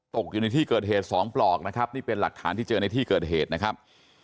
อยู่ในที่เกิดเหตุ๒ปลอกนะครับนี่เป็นหลักฐานที่เจอในที่เกิดเหตุนะครับ